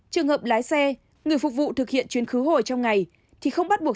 trường hợp lái xe người phục vụ thực hiện chuyến khứ hồi trong ngày thì không bắt buộc